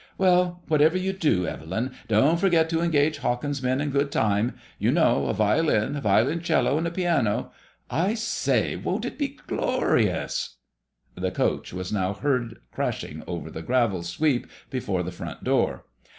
Well, whatever you do, Evelyn, don*t forget to engage Hawkins' men in good time. You know, a violin, a violoncello^ and a piano. I say I won't it be glorious ?" i liAD£MOIS£LLK IXIU 8X The coach was now heard crashing over the gravel sweep before the front door.